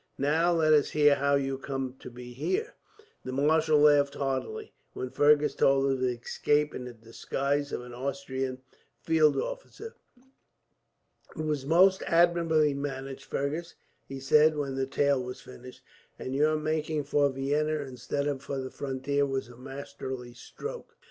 "Now, let us hear how you come to be here." The marshal laughed heartily, when Fergus told of his escape in the disguise of an Austrian field officer. "It was most admirably managed, Fergus," he said, when the tale was finished; "and your making for Vienna, instead of for the frontier, was a masterly stroke.